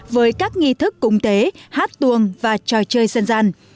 với các nghi thức cung tế hát tuồng và trò chơi dân dân